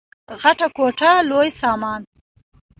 غټه کونه لوی سامان.